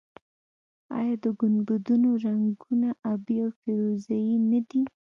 آیا د ګنبدونو رنګونه ابي او فیروزه یي نه دي؟